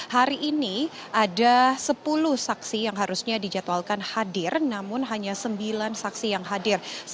hari ini ada sepuluh saksi yang harusnya dijadwalkan hadir namun hanya sembilan saksi yang hadir